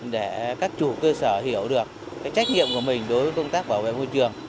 để các chủ cơ sở hiểu được trách nhiệm của mình đối với công tác bảo vệ môi trường